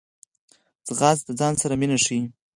ځغاسته د ځان سره مینه ښيي